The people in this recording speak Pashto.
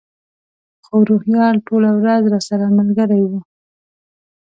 خو روهیال ټوله ورځ راسره ملګری و.